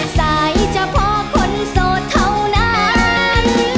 โดยเฉพาะคนโสดเท่านั้น